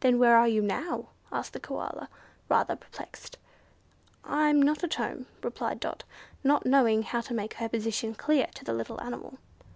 "Then, where are you now?" asked the Koala, rather perplexed. "I'm not at home," replied Dot, not knowing how to make her position clear to the little animal.